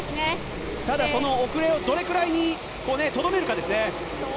ただその遅れをどれくらいにとどめるかですね。